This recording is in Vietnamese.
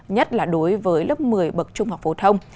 nhất là đối với lớp một mươi bậc trung học phổ thông